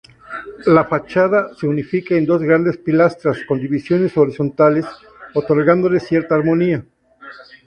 La fachada se unifica en dos grandes pilastras con divisiones horizontales, otorgándole cierta armonía.